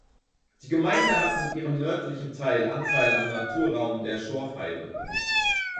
Die Gemeinde hat mit ihrem nördlichen Teil Anteil am Naturraum der Schorfheide.